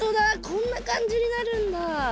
こんな感じになるんだ。